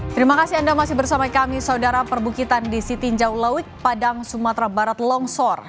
terima kasih anda masih bersama kami saudara perbukitan di sitinjau laut padang sumatera barat longsor